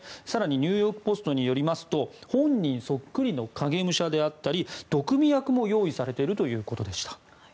更にニューヨーク・ポストによりますと本人そっくりの影武者であったり毒味役も用意されているということでした。